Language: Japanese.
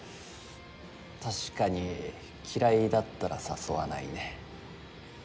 確かに嫌いだったら誘わないね。